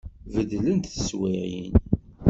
Beddlent teswiɛin.